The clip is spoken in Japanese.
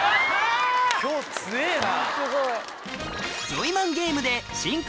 今日強えぇな。